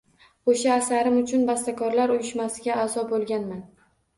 O’sha asarim uchun Bastakorlar uyushmasiga a’zo bo’lganman.